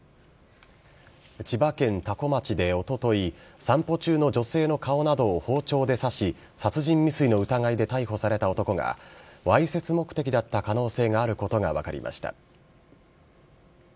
千葉県多古町でおととい、散歩中の女性の顔などを包丁で刺し、殺人未遂の疑いで逮捕された男が、わいせつ目的だった可能性があることが分かりました。